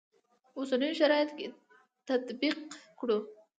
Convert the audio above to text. اوسنیو شرایطو کې تطبیق کړو.